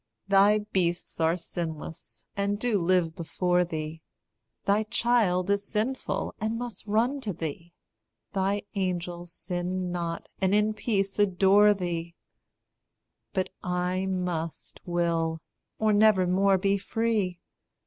Thy beasts are sinless, and do live before thee; Thy child is sinful, and must run to thee. Thy angels sin not and in peace adore thee; But I must will, or never more be free.